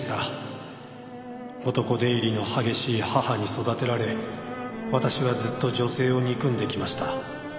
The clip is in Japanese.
「男出入りの激しい母に育てられ私はずっと女性を憎んできました」